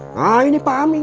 nah ini pak aming